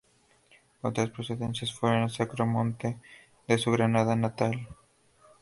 Otras procedencias fueron el Sacromonte de su Granada natal.